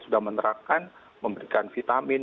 sudah menerapkan memberikan vitamin